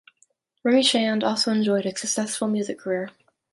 Remy Shand also enjoyed a successful music career.